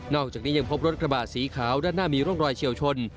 อกจากนี้ยังพบรถกระบะสีขาวด้านหน้ามีร่องรอยเฉียวชน